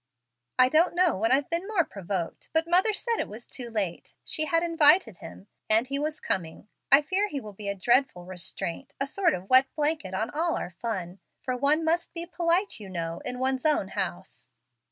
I don't know when I've been more provoked, but mother said it was too late, she had invited him, and he was coming. I fear he will be a dreadful restraint, a sort of wet blanket on all our fun, for one must be polite, you know, in one's own house."